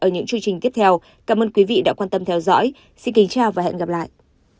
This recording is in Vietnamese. ở những chương trình tiếp theo cảm ơn quý vị đã quan tâm theo dõi xin kính chào và hẹn gặp lại